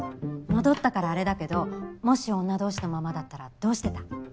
戻ったからあれだけどもし女同士のままだったらどうしてた？